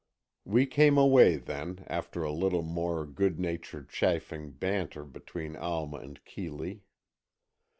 We came away then, after a little more good natured, chaffing banter between Alma and Keeley.